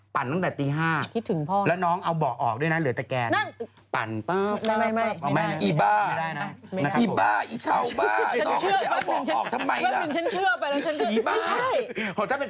ปั่นตั้งแต่ตี๕น